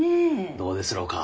どうですろうか？